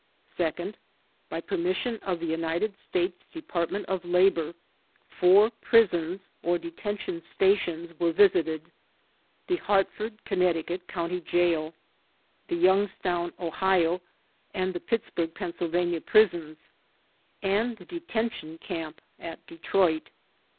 Second : By permission of the United States Department of Labor, four prisons or detention stations were visited: — ^the Hartford (Conn.) County Jail, the Youngstown (Ohio), and the Pittsburgh (Pa.), prisons and the detention camp at Detroit.